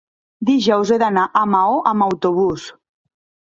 Dijous he d'anar a Maó amb autobús.